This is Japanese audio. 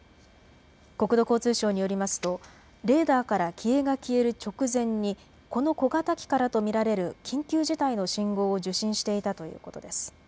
国土交通省によりますとレーダーから機影が消える直前にこの小型機からと見られる緊急事態の信号を受信していたということです。